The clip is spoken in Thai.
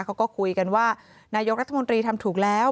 เขาก็คุยกันว่านายกรัฐมนตรีทำถูกแล้ว